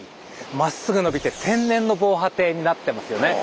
まっすぐ伸びて天然の防波堤になってますよね。